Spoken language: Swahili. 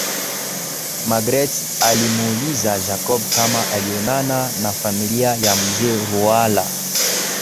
Magreth alimuuliza Jacob kama alionana na familia ya mzee Ruhala